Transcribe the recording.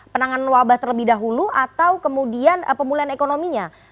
penanganan wabah terlebih dahulu atau kemudian pemulihan ekonominya